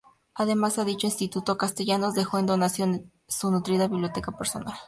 Además, a dicho instituto Castellanos dejó en donación su nutrida biblioteca personal.